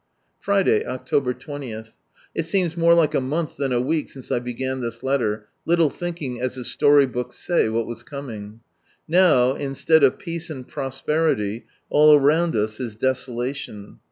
Friday, October 20. — It seems more like a month than a week since I began this letter, little thinking, as the story books say, what was coming. Now, instead of peace and prosperity, al! around us is desolation.